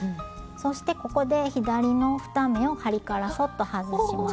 そしてここで左の２目を針からそっと外します。